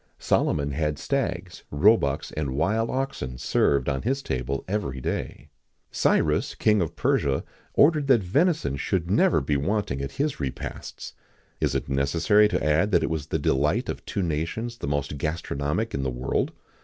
[XIX 36] Solomon had stags, roebucks, and wild oxen served on his table every day.[XIX 37] Cyrus, King of Persia, ordered that venison should never be wanting at his repasts.[XIX 38] Is it necessary to add that it was the delight of two nations the most gastronomic in the world?